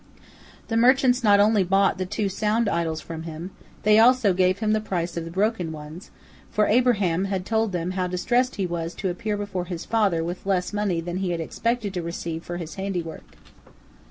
The merchants not only bought the two sound idols from him, they also gave him the price of the broken ones, for Abraham had told them how distressed he was to appear before his father with less money than he had expected to receive for his handiwork.